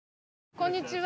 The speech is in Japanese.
こんにちは。